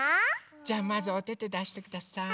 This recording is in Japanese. じゃまずおててだしてください。